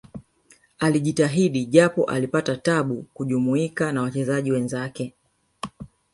alijitahidi japo alipata tabu kujumuika na wachezaji wenzake